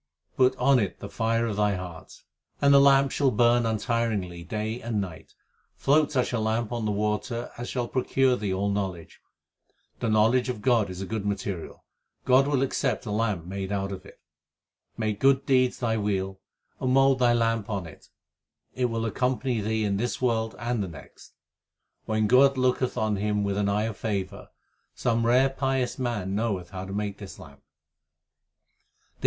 Put on it the fire of thy heart, And the lamp shall burn untiringly day and night. Float such a lamp on the water As shall procure thee all knowledge. The knowledge of God is a good material ; God will accept a lamp made out of it. Make good deeds thy wheel, and mould thy lamp on it ; It will accompany thee in this world and the next. When God looketh on him with an eye of favour, Some rare pious man knoweth how to make this lamp.